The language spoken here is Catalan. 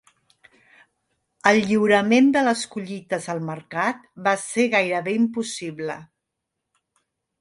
El lliurament de les collites al mercat va ser gairebé impossible.